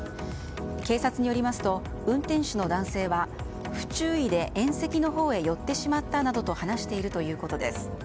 警察によりますと運転手の男性は不注意で縁石のほうへ寄ってしまったなどと話しているということです。